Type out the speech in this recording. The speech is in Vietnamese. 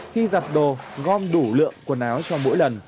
khi giặt đồ gom đủ lượng quần áo cho mỗi lần